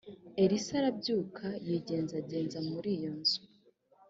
elisa arabyuka yigenzagenza muri iyo nzu